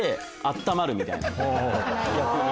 逆に。